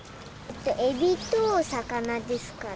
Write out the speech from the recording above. エビと、魚ですかね。